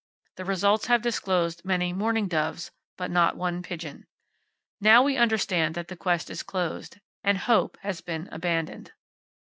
The results have disclosed many mourning doves, but not one pigeon. Now we understand that the quest is closed, and hope has been abandoned.